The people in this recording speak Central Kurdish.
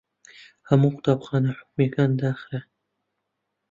هەموو قوتابخانە حکوومییەکان داخران.